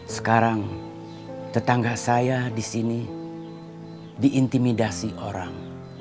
sekarang tetangga saya di sini diintimidasi orang